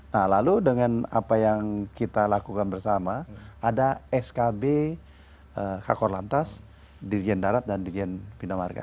nah lalu dengan apa yang kita lakukan bersama ada skb kakor lantas dirjen darat dan dirjen bina marga